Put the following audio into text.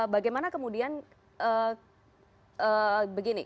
bagaimana kemudian begini